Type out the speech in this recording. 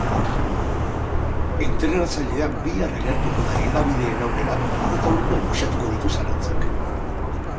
Entrenatzailea bihar agertuko da hedabideen aurrera eta orduan uxatuko ditu zalantzak.